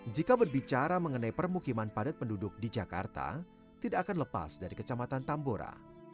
jika berbicara mengenai permukiman padat penduduk di jakarta tidak akan lepas dari kecamatan tambora